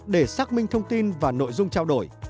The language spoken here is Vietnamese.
để xác minh thông tin và nội dung trao đổi